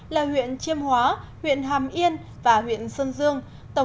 là huyện chiêm hóa huyện hàm yên và huyện sơn dương